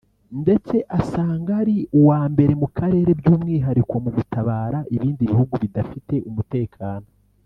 ndetse asanga ari uwa mbere mu Karere by’umwihariko mu gutabara ibindi bihugu bidafite umutekano